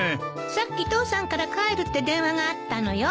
さっき父さんから帰るって電話があったのよ。